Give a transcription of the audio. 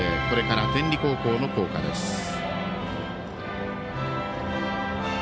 これから天理高校の校歌です。